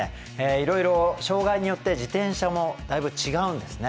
いろいろ障害によって自転車もだいぶ違うんですね。